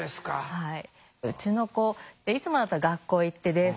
はい。